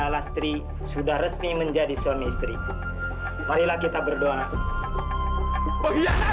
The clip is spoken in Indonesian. kastri sudah resmi menjadi suami istri marilah kita berdoa ke